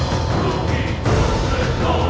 aku tidak tahu